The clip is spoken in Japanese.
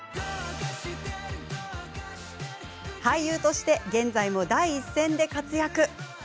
俳優として現在も第一線で活躍。